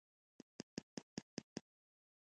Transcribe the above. دوی له ګټو یې نا خبره دي په پښتو ژبه.